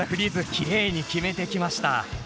きれいに決めてきました。